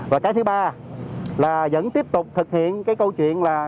và cái thứ ba là vẫn tiếp tục thực hiện cái câu chuyện là